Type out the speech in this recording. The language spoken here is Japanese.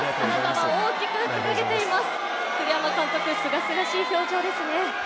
栗山監督、すがすがしい表情ですね。